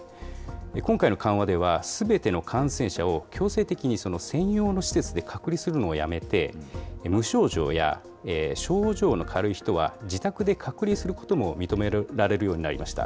今回の緩和では、すべての感染者を強制的に専用の施設で隔離するのをやめて、無症状や症状の軽い人は自宅で隔離することも認められるようになりました。